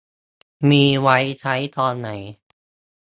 มีไว้ใช้ตอนไหน